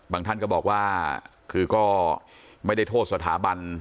ท่านก็บอกว่าคือก็ไม่ได้โทษสถาบัน